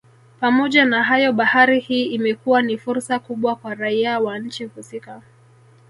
Pamoja na hayo bahari hii imekuwa ni fursa kubwa kwa raia wa nchi husika